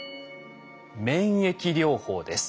免疫療法です。